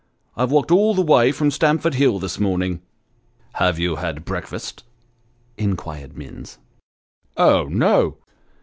I've walked all the way from Stamford Hill this morning." " Have you breakfasted ?" inquired Minns. " Oh, no